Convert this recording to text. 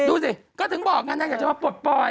ดูสิก็ถึงบอกก็นั่นมันอยากจะมาปลดปล่อย